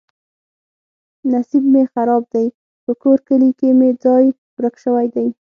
نصیب مې خراب دی. په کور کلي کې مې ځای ورک شوی دی.